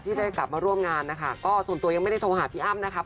ที่ได้กลับมาร่วมงานนะคะก็ส่วนตัวยังไม่ได้โทรหาพี่อ้ำนะครับ